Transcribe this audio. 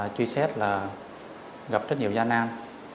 tuy xét là gặp rất nhiều khó khăn